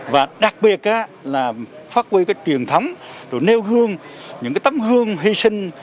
và đặc biệt là phát huy cái truyền thấm nêu hương những tấm hương hy sinh